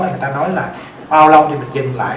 người ta nói là bao lâu thì mình dừng lại